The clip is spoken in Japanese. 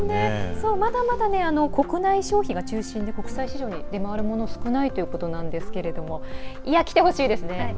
まだまだ国内消費が中心で、国際市場に出回るものも少ないということですがきてほしいですね。